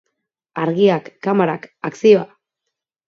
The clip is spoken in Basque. Argiak, kamerak, akzioa!